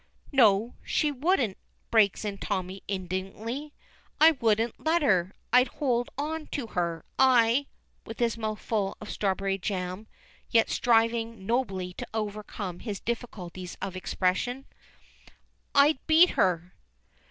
"No, she wouldn't," breaks in Tommy, indignantly. "I wouldn't let her, I'd hold on to her. I " with his mouth full of strawberry jam, yet striving nobly to overcome his difficulties of expression, "I'd beat her!"